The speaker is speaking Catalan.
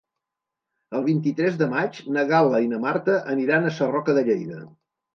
El vint-i-tres de maig na Gal·la i na Marta aniran a Sarroca de Lleida.